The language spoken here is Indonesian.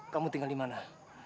kamu tinggal dimana